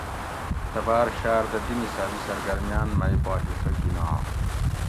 سہ باۤر شاۤردہ دی نصابی سرگرمیان مئی پا حصہ گِھناں